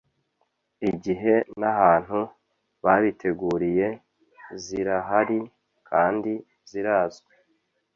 igihe n’ahantu babiteguriye zirahari kandi zirazwi